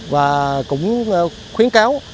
và cũng khuyến cáo